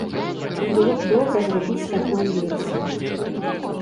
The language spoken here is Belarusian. Было б добра зрабіць такую версію.